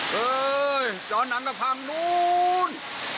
เฮ้ยจอดหนังก็พังนู้น